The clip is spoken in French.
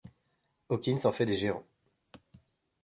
Hawkins en fait des géants.